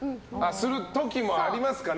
する時もありますかね。